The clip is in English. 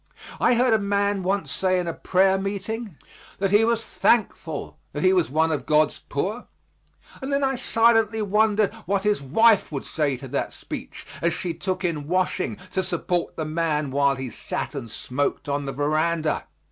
I heard a man once say in a prayer meeting that he was thankful that he was one of God's poor, and then I silently wondered what his wife would say to that speech, as she took in washing to support the man while he sat and smoked on the veranda.